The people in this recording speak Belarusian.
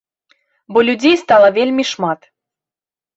Бо людзей стала вельмі шмат.